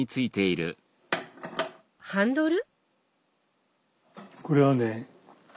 ハンドル？